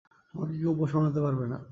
আমাকে কেউ পোষ মানাতে পারবে না।